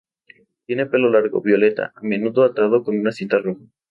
Tiene pelo largo, violeta, a menudo atado con una cinta roja.